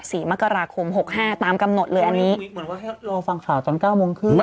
สี่มกราคมหกห้าตามกำหนดเลยอันนี้เหมือนว่าให้รอฟังข่าวตอนเก้าโมงครึ่ง